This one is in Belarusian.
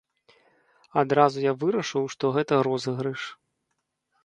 Адразу я вырашыў, што гэта розыгрыш.